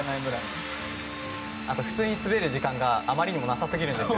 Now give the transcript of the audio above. あと普通に滑る時間があまりにもなさすぎるんです